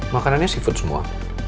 makanannya seafood semua